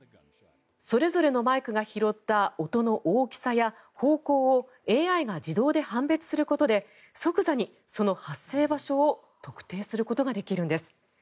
それぞれのマイクが拾った音の大きさや方向をＡＩが自動で判別することで即座にその発生場所を特定することができるんです。